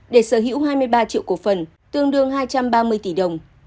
để sở hữu hai mươi ba triệu cổ phần tương đương hai trăm ba mươi tỷ đồng